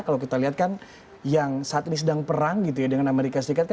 kalau kita lihat kan yang saat ini sedang perang gitu ya dengan amerika serikat